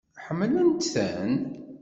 Ḥemmlent-ten?